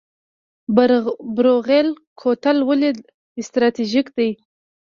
بروغیل کوتل ولې استراتیژیک دی؟